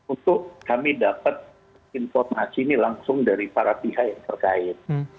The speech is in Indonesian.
untuk kami dapat informasi ini langsung dari para pihak yang terkait